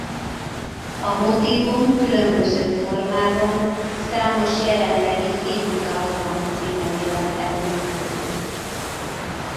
A motívum különböző formában számos jelenlegi finn tartomány címerében előfordul.